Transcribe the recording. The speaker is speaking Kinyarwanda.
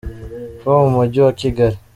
ho mu Mujyi wa Kigali..